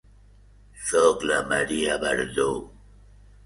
Soc la Maria Verdú.